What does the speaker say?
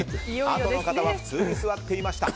あとの方は普通に座っていました。